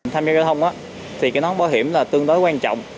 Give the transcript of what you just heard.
tham gia giao thông thì cái nón bảo hiểm là tương đối quan trọng